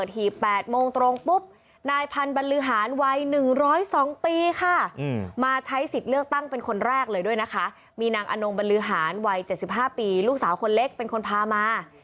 หัวหรัดแก่ฮั่วทันวัย๗๕ปีลูกสาวคนเล็กเป็นคนพามา